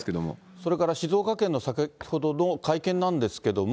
それから静岡県の先ほどの会見なんですけれども。